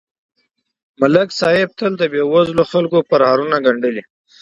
ملک صاحب تل د بېوزلو خلکو پرهارونه گنډلي